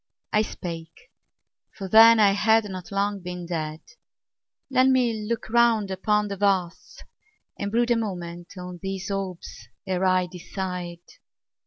I spake for then I had not long been dead "Let me look round upon the vasts, and brood A moment on these orbs ere I decide